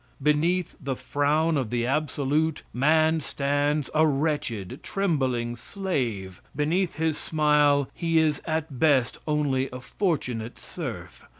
Beneath the frown of the absolute, man stands a wretched, trembling slave beneath his smile be is at best only a fortunate serf.